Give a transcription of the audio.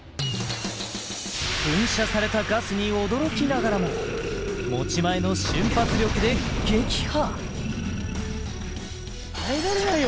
噴射されたガスに驚きながらも持ち前の瞬発力で撃破耐えられないよ